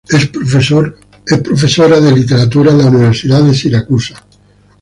Es profesora de Literatura en la Universidad de Siracusa.